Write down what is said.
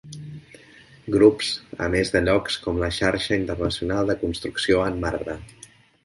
Grups, a més de llocs com la xarxa internacional de construcció en marbre.